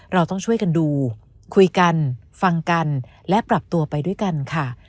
เราต้องช่วยกันดูคุยกันฟังกันและปรับตัวไปด้วยกันค่ะ